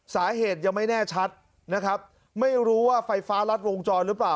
สาเหตุยังไม่แน่ชัดนะครับไม่รู้ว่าไฟฟ้ารัดวงจรหรือเปล่า